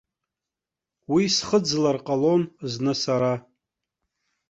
Уи схыӡлар ҟалон зны сара.